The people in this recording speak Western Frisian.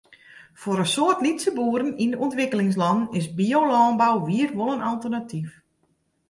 Foar in soad lytse boeren yn de ûntwikkelingslannen is biolânbou wier wol in alternatyf.